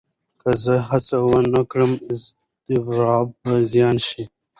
که زه هڅه ونه کړم، اضطراب به زیات شي.